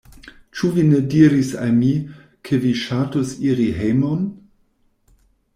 Ĉu vi ne diris al mi, ke vi ŝatus iri hejmon?